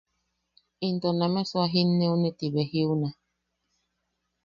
Into “namesu a jinne’une ti ji be jiuna”.